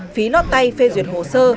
phí lót tay phê duyệt hồ sơ